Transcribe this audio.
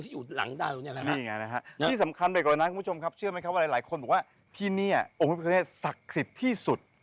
ทีที่สำคัญด้วยกว่านั้นคุณผู้ชมครับเชื่อไหมคะว่าหลายคนบอกว่าที่นี่องค์พระพิฆาเนตสักสิทธิ์ที่สุด